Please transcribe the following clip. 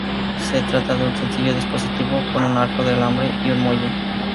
Se trata de un sencillo dispositivo con un arco de alambre y un muelle.